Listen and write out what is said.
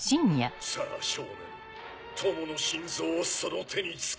さぁ少年友の心臓をその手につかめ。